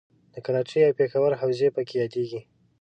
د کراچۍ او پېښور حوزې پکې یادیږي.